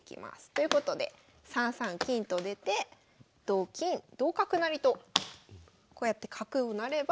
ということで３三金と出て同金同角成とこうやって角を成れば。